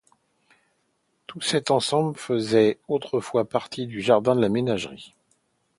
Tout cet ensemble faisait autrefois partie du jardin de la Ménagerie.